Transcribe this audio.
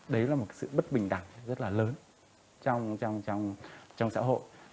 đấy là một sự bất bình đẳng rất là lớn trong xã hội